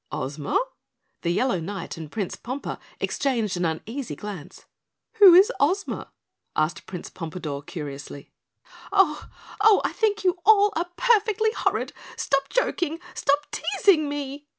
"Ozma?" The Yellow Knight and Prince Pompa exchanged an uneasy glance. "Who is Ozma?" asked Prince Pompadore curiously. "Oh! Oh, I think you all are perfectly horrid. Stop joking! Stop teasing me!"